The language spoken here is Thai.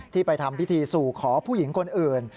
ไปทำพิธีสู่ขอผู้หญิงคนอื่น